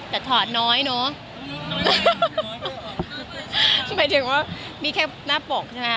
หมายถึงว่านี่แค่หน้าปกใช่ไหม